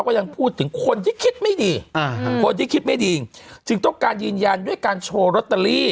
ก็ยังพูดถึงคนที่คิดไม่ดีคนที่คิดไม่ดีจึงต้องการยืนยันด้วยการโชว์ลอตเตอรี่